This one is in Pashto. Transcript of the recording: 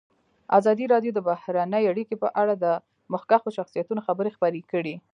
ازادي راډیو د بهرنۍ اړیکې په اړه د مخکښو شخصیتونو خبرې خپرې کړي.